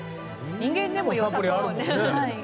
人間でもよさそうね。